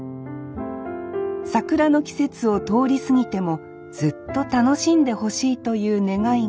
桜の季節を通り過ぎてもずっと楽しんでほしいという願いが込められています